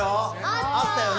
あったよな。